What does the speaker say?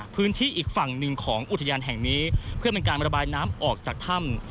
อีกฝั่งหนึ่งของอุทยานแห่งนี้เพื่อเป็นการระบายน้ำออกจากถ้ำ